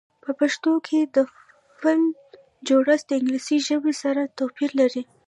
په پښتو کې د فعل جوړښت د انګلیسي ژبې سره توپیر لري.